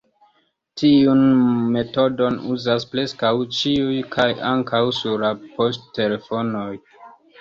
Tiun metodon uzas preskaŭ ĉiu kaj ankaŭ sur la poŝtelefonoj.